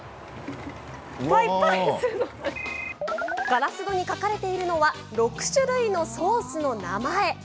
ガラス戸に書かれているのは６種類のソースの名前。